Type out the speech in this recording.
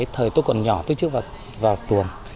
thời tôi còn nhỏ tôi chưa vào tuồng